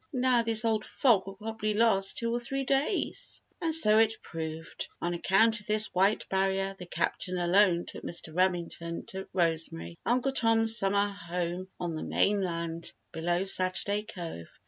Now, this old fog will probably last two or three days." And so it proved. On account of this white barrier the Captain alone took Mr. Remington to Rosemary, Uncle Tom's summer home on the mainland below Saturday Cove.